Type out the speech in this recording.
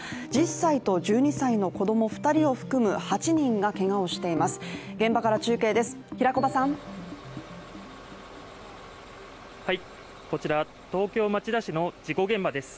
１０歳と１２歳の子供２人を含む８人がけがをしています。